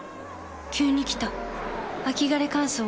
急に来た秋枯れ乾燥。